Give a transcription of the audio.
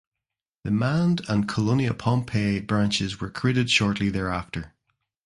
The Mand and Kolonia Pohnpei branches were created shortly thereafter.